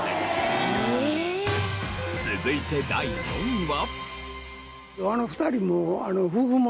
続いて第４位は。